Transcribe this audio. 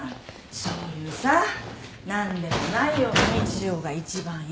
そういうさ何でもないような日常が一番いいのよ。